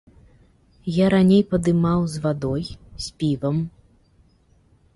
Я раней падымаў з вадой, з півам.